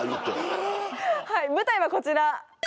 はい舞台はこちら。